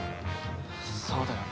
そうだよな。